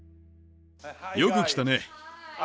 よく来たね。